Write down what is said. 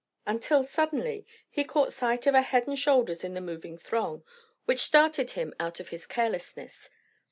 Until, suddenly, he caught sight of a head and shoulders in the moving throng, which started him out of his carelessness.